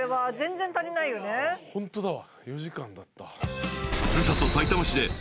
ホントだわ。